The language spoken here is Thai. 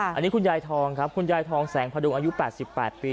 อันนี้คุณยายทองครับคุณยายทองแสงพระดุงอายุแปดสิบแปดปี